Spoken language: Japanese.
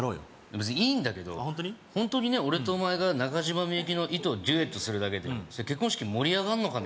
別にいいんだけどホントに俺とお前が中島みゆきの「糸」をデュエットするだけで結婚式盛り上がんのかね？